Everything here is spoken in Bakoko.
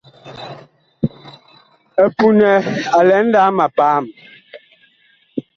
EPUNƐ a lɛ nlaam a paam.